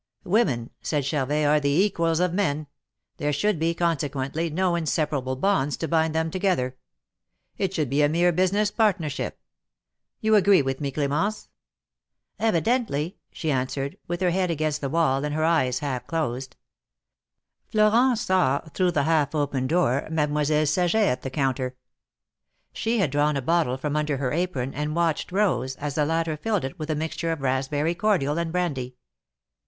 Women," said Charvet, ^^are the equals of men. There should be, consequently, no inseparable bonds to bind them together. It should be a mere business partnership. You agree with me, Clemence ?" '^Evidently," she answered, with her head against the wall, and her eyes half closed. Florent saw, through the half open door. Mademoiselle Saget at the counter. She had drawn a bottle from under her apron, and watched Rose, as the latter filled it with a mixture of raspberry cordial and brandy.